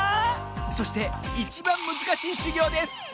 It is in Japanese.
そしていちばんむずかしいしゅぎょうです